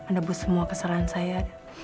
ibu bangga dan bahagia sekali melihat perubahan kamu